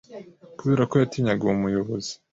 Kubera ko yatinyaga uwo muyobozi